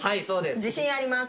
自信あります。